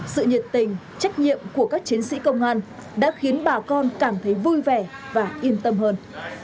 sự nhiệt tình trách nhiệm của các chiến sĩ công an đã khiến bà con cảm thấy vui vẻ và yên tâm hơn